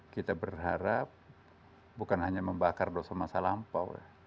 kita berharap bukan hanya membakar dosa masa lampau